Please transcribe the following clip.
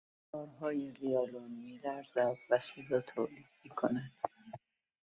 تارهای ویولن میلرزد و صدا تولید میکند.